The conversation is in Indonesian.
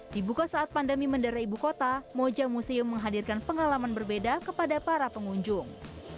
dibuka saat pandemi mendara ibu kota moja museum menghadirkan pengalaman berbeda kepada para pengunjung